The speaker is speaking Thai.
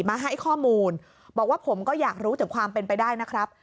มาให้ข้อมูลบอกว่าผมก็อยากรู้ถึงความเป็นไปได้นะครับ